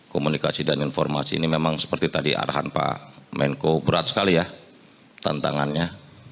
komunikasi dan informasi ini memang seperti tadi arahan pak menko berat sekali ya tantangannya